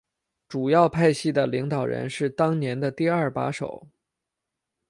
主要派系的领导者是当年的第二把手。